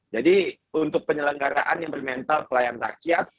jadi untuk penyelenggaraan yang bermental pelayan rakyat